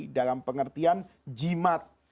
dalam pengertian jimat